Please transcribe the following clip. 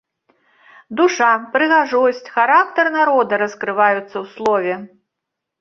Душа, прыгажосць, характар народа раскрываюцца ў слове.